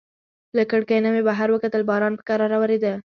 له کړکۍ نه مې بهر وکتل، باران په کراره وریده.